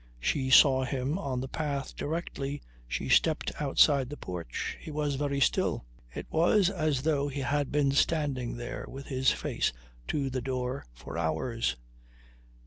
She saw him on the path directly she stepped outside the porch. He was very still. It was as though he had been standing there with his face to the door for hours.